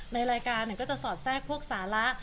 ในรายการก็จะสอดแทรกพวกสาระ